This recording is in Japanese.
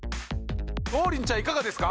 王林ちゃんいかがですか？